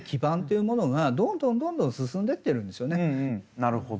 なるほど。